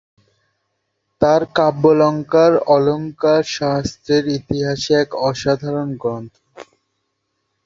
তাঁর কাব্যালঙ্কার অলঙ্কারশাস্ত্রের ইতিহাসে এক অসাধারণ গ্রন্থ।